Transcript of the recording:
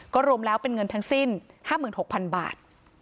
รวมแล้วเป็นเงินทั้งสิ้น๕๖๐๐๐บาท